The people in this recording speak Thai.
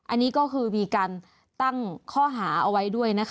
อันนี้ก็คือมีการตั้งข้อหาเอาไว้ด้วยนะคะ